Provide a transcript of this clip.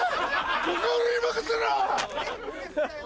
ここは俺に任せろ！